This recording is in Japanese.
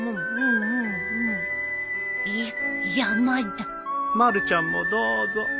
まるちゃんもどうぞ。